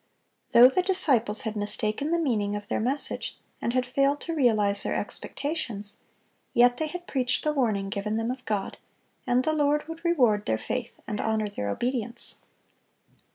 Though the disciples had mistaken the meaning of their message, and had failed to realize their expectations, yet they had preached the warning given them of God, and the Lord would reward their faith and honor their obedience.